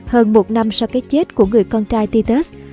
hơn một năm sau cái chết của người con trai titus